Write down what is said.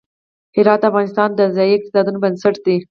هرات د افغانستان د ځایي اقتصادونو بنسټ دی.